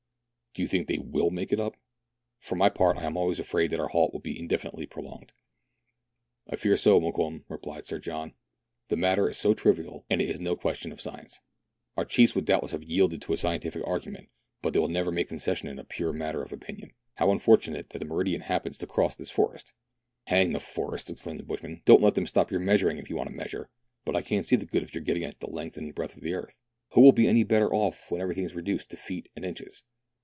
" Do you think they will make it up ? For my part, I am almost afraid that our halt will be indefinitely pro longed." " I fear so, Mokoum," replied Sir John. "The matter is so trivial, and it is no question of science. Our chiefs would 8 122 MERIDIANA; THE ADVENTURES OF doubtless have yielded to a scientific argument, but they will never make concession in a pure matter of opinion. How unfortunate that the meridian happens to cross this forest!" " Hang the forests !" exclaimed the bushman, " don't let then; stop your measuring, if you want to measure. But I can't see the good of your getting at the length and breadth of the earth ? Who will be any better off when every thing is reduced to feet and inches